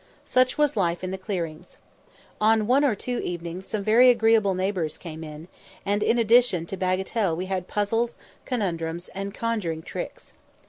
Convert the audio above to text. Such was life in the clearings. On one or two evenings some very agreeable neighbours came in; and in addition to bagatelle we had puzzles, conundrums, and conjuring tricks.